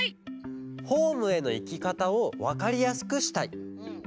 「ホームへのいきかたをわかりやすくしたい」。